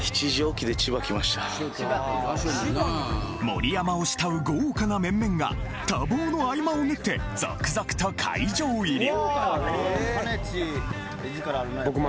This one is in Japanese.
盛山を慕う豪華な面々が多忙の合間をぬって続々と会場入り